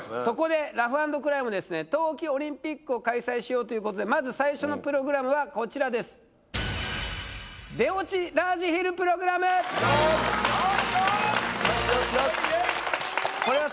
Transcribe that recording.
そこで「ラフ＆クライ」もですね冬季オリンピックを開催しようということでまず最初のプログラムはこちらですよっよしよしよしよいしょ